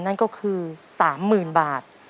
นั้นก็คือสามหมื่นบาท